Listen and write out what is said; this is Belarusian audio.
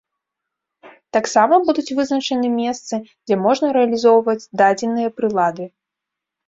Таксама будуць вызначаны месцы, дзе можна рэалізоўваць дадзеныя прылады.